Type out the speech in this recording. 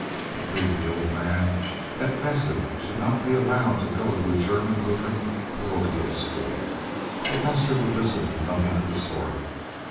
It grieved the old man that Vesta should not be allowed to go to a German Lutheran parochial school, but Lester would listen to nothing of the sort.